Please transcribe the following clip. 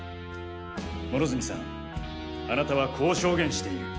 両角さんあなたはこう証言している。